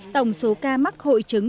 tổng số ca mắc hội chứng